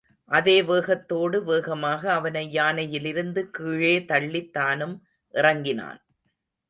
அதே வேகத்தோடு வேகமாக அவனை யானையிலிருந்து கீழே தள்ளித் தானும் இறங்கினான்.